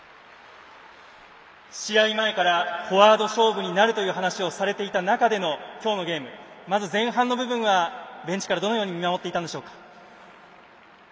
試合前からフォワード勝負になるという話をされていた中での今日のゲーム、まず前半の部分はベンチからどう見守っていたんでしょうか。